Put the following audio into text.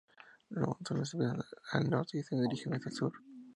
Los monzones empiezan el norte y se dirigen hacia el sur.